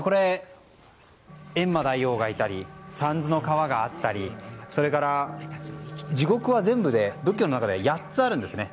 閻魔大王がいたり三途の川があったりそれから地獄は全部で仏教の中で８つあるんですね。